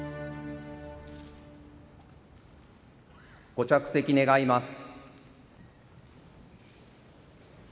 ご着席願います。